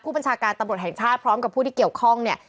บัญชาการตำรวจแห่งชาติพร้อมกับผู้ที่เกี่ยวข้องเนี่ย